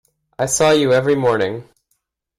I saw you every morning.